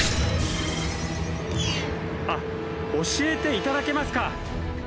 あっ教えていただけますか！